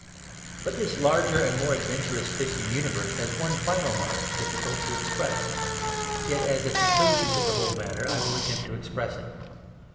But this larger and more adventurous Christian universe has one final mark difficult to express; yet as a conclusion of the whole matter I will attempt to express it.